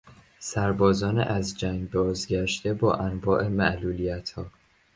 سربازان از جنگ بازگشته با انواع معلولیتها